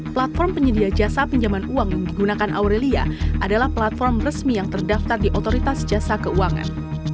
platform penyedia jasa pinjaman uang yang digunakan aurelia adalah platform resmi yang terdaftar di otoritas jasa keuangan